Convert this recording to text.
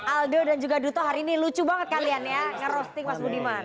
aldo dan juga dutra hari ini lucu banget kalian ya ngerosting mas budiman